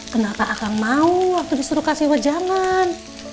kenapa akang mau waktu disuruh kasih wajangan